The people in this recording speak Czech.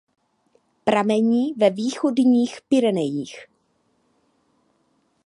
Pramení ve Východních Pyrenejích.